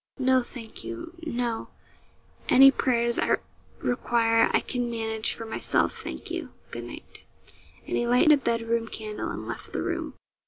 'No, thank you, no any prayers I require I can manage for myself, thank you. Good night.' And he lighted a bed room candle and left the room.